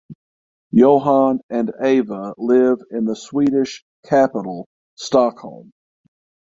Johan and Eva live in the Swedish capital Stockholm.